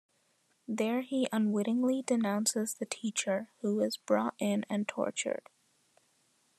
There he unwittingly denounces the teacher, who is brought in and tortured.